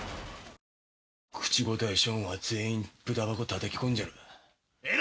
口答えしよんは全員、ブタ箱たたき込んじゃる。